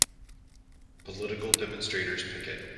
Political demonstrators picket.